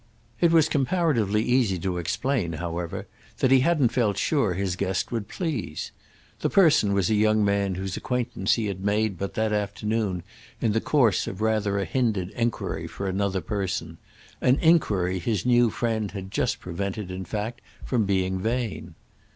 It was comparatively easy to explain, however, that he hadn't felt sure his guest would please. The person was a young man whose acquaintance he had made but that afternoon in the course of rather a hindered enquiry for another person—an enquiry his new friend had just prevented in fact from being vain.